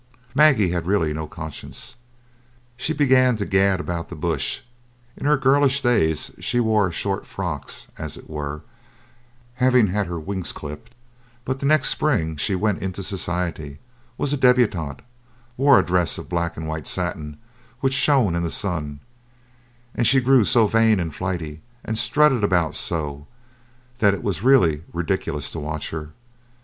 Maggie had really no conscience. She began to gad about the bush. In her girlish days she wore short frocks, as it were, having had her wings clipped, but the next spring she went into society, was a debutante, wore a dress of black and white satin which shone in the sun, and she grew so vain and flighty, and strutted about so, that it was really ridiculous to watch her.